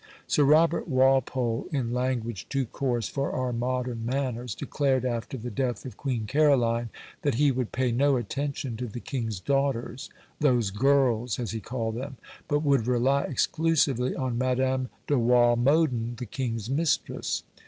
Sir Robert Walpole, in language too coarse for our modern manners, declared after the death of Queen Caroline, that he would pay no attention to the king's daughters ("those girls," as he called them), but would rely exclusively on Madame de Walmoden, the king's mistress.